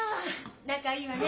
仲いいわね。